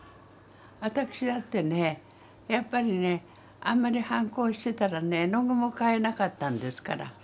私だってねやっぱりねあんまり反抗してたらね絵の具も買えなかったんですから。